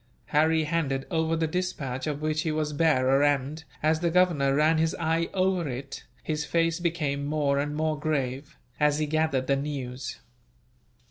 Harry handed over the despatch of which he was bearer and, as the Governor ran his eye over it, his face became more and more grave, as he gathered the news.